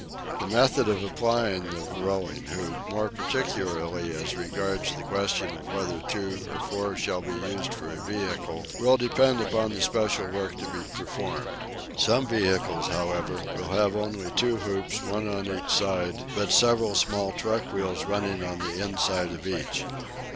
The method of applying the rolling hoop, more particularly as regards the question whether two or four shall be used for a vehicle, will depend upon the special work to be performed. Some vehicles, however, will have only two hoops, one on each side, but several small truck wheels running on the inside of each.